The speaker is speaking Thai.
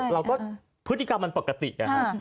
เราก็พฤติกรรมมันปกตินะครับ